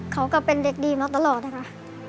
ก็เป็นเด็กดีมาตลอดนะคะ